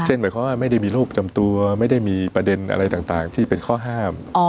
หมายความว่าไม่ได้มีโรคจำตัวไม่ได้มีประเด็นอะไรต่างที่เป็นข้อห้าม